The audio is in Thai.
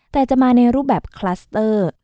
แต่จะมาในรูปแบบคลัสเตอร์